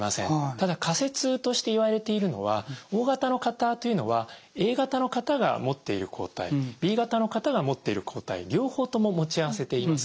ただ仮説としていわれているのはＯ型の方というのはＡ型の方が持っている抗体Ｂ型の方が持っている抗体両方とも持ち合わせています。